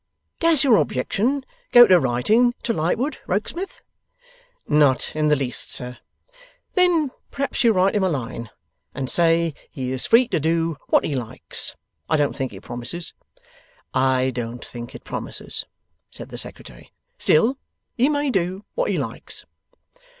'Does your objection go to writing to Lightwood, Rokesmith?' 'Not in the least, sir.' 'Then perhaps you'll write him a line, and say he is free to do what he likes. I don't think it promises.' 'I don't think it promises,' said the Secretary. 'Still, he may do what he likes.